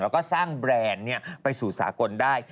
แล้วก็สร้างแบรนด์ไปสู่สากลได้